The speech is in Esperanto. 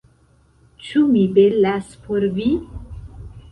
Ĉu mi belas por vi?